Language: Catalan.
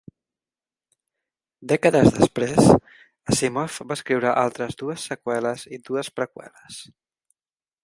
Dècades després, Asimov va escriure altres dues seqüeles i dues preqüeles.